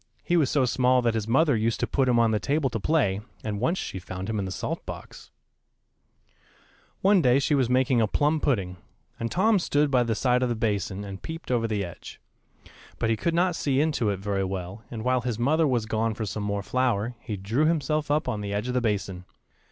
He was so small that his mother used to put him on the table to play; and once she found him in the salt box. [Illustration: TOM FALLS INTO THE PUDDING.] One day she was making a plum pudding, and Tom stood by the side of the basin, and peeped over the edge; but he could not see into it very well, and while his mother was gone for some more flour, he drew himself up on the edge of the basin.